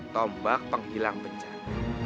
tombak penghilang bencat